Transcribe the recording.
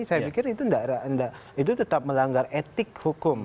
saya pikir itu tetap melanggar etik hukum